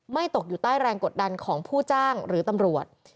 ตกอยู่ใต้แรงกดดันของผู้จ้างหรือตำรวจ